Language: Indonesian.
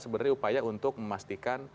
sebenarnya upaya untuk memastikan